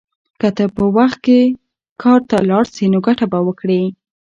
که ته په وخت کار ته لاړ شې نو ګټه به وکړې.